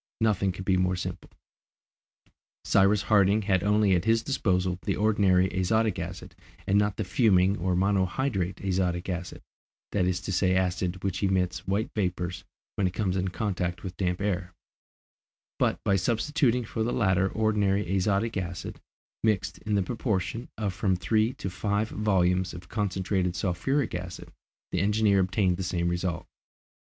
Nothing could be more simple. Cyrus Harding had only at his disposal the ordinary azotic acid and not the fuming or monohydrate azotic acid, that is to say, acid which emits white vapours when it comes in contact with damp air; but by substituting for the latter ordinary azotic acid, mixed, in the proportion of from three to five volumes of concentrated sulphuric acid, the engineer obtained the same result.